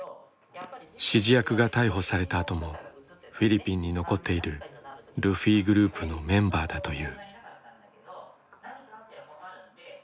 指示役が逮捕されたあともフィリピンに残っているルフィグループのメンバーだという。